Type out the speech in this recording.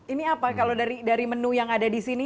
ini apa kalau dari menu yang ada di sini